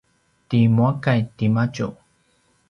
ti muakay timadju